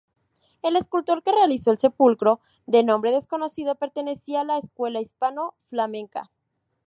El escultor que realizó el sepulcro, de nombre desconocido, pertenecía a la escuela hispano-flamenca.